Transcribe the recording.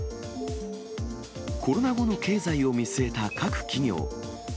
コロナ後の経済を見据えた各企業。